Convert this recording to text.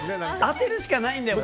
当てるしかないんだよ